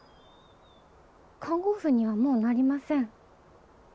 看護婦にはもうなりません。